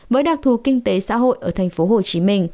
với đặc thù kinh tế xã hội ở tp hcm